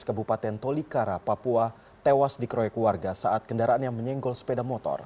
kabupaten tolikara papua tewas di kroyek warga saat kendaraan yang menyenggol sepeda motor